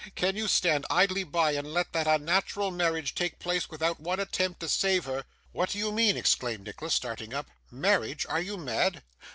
Can you stand idly by, and let that unnatural marriage take place without one attempt to save her?' 'What do you mean?' exclaimed Nicholas, starting up; 'marriage! are you mad?